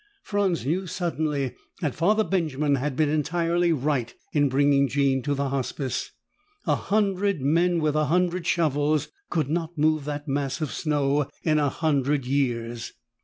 Franz knew suddenly that Father Benjamin had been entirely right in bringing Jean to the Hospice. A hundred men with a hundred shovels could not move that mass of snow in a hundred years.